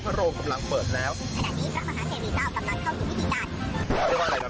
เจ้าจะเจ้าคุ้มส่องแล้วน้องน้า